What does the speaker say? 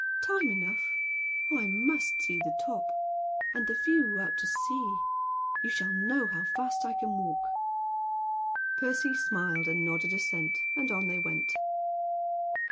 "Time enough. Oh, I must see the top; and the view out to sea! You shall know how fast I can walk." Percy smiled and nodded assent, and on they went.